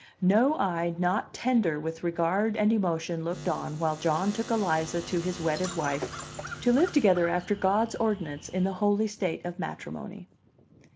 No eye not tender with regard and emotion looked on while John took Eliza to his wedded wife, to live together after God's ordinance in the holy state of matrimony.